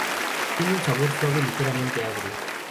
Tiene un sabor suave, ligeramente agrio.